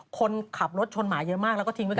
คนขับรถชนหมาเยอะมากแล้วก็ทิ้งไว้ด้วย